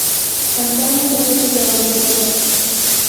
Antonio Leche de Oliveira.